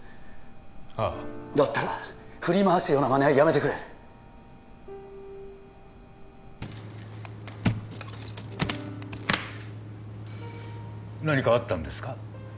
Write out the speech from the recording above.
ああだったら振り回すようなまねはやめてくれ何かあったんですか？